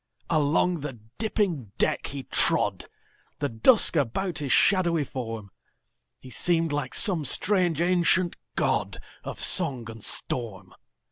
Along the dipping deck he trod, The dusk about his shadowy form; He seemed like some strange ancient godOf song and storm.